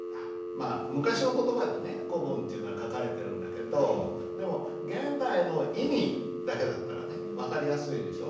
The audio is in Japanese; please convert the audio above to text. まあ昔の言葉でね古文っていうのは書かれてるんだけどでも現代の意味だけだったら分かりやすいでしょ。